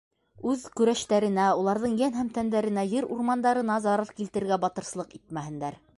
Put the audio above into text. Үҙ көрәштәренә, уларҙың йән һәм тәндәренә, ер-урмандарына зарар килтерергә батырсылыҡ итмәһендәр.